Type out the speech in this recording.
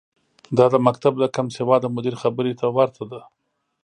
دا د مکتب د کمسواده مدیر خبرې ته ورته ده.